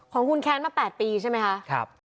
ของคุณแค้นมา๘ปีใช่ไหมคะ